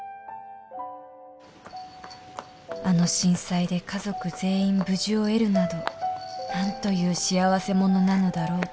あの震災で家族全員無事を得るなど何という幸せ者なのだろうと